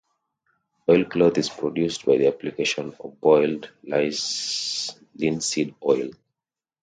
Oilcloth is produced by the application of boiled linseed oil.